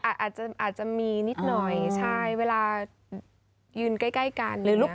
อาจจะมีนิดหน่อยใช่เวลายืนใกล้กัน